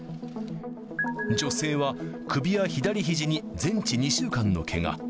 女性は首や左ひじに全治２週間のけが。